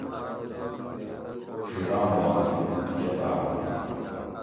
ڄھیراں بان گی اُوٹ کہۤ باڄ